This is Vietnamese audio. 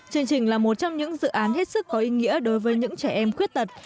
chương trình là một trong những dự án hết sức có ý nghĩa đối với những trẻ em khuyết tật